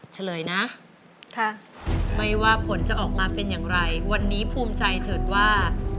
เฉลยนะไม่ว่าผลจะออกมาเป็นอย่างไรวันนี้ภูมิใจเถิดว่า